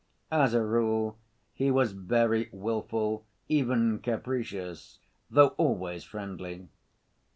As a rule he was very willful, even capricious, though always friendly.